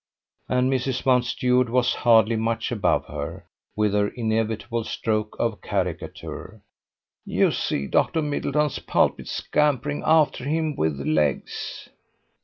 And Mrs. Mountstuart was hardly much above her, with her inevitable stroke of caricature: "You see Doctor Middleton's pulpit scampering after him with legs!"